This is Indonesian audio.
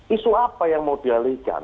isu apa yang mau dialihkan